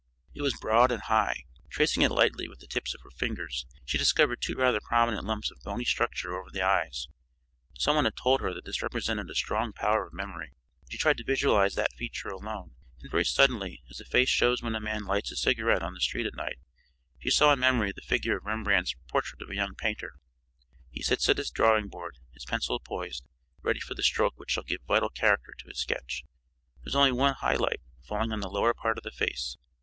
It was broad and high. Tracing it lightly with the tips of her fingers she discovered two rather prominent lumps of bony structure over the eyes. Some one had told her that this represented a strong power of memory. She tried to visualize that feature alone, and very suddenly, as a face shows when a man lights his cigarette on the street at night, she saw in memory the figure of Rembrandt's "Portrait of a Young Painter." He sits at his drawing board, his pencil poised, ready for the stroke which shall give vital character to his sketch. There is only one high light, falling on the lower part of the face.